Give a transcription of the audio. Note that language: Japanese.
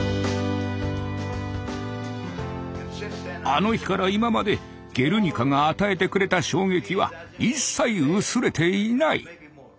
あの日から今まで「ゲルニカ」が与えてくれた衝撃は一切薄れていない。